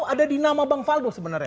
ada di nama bang faldo sebenarnya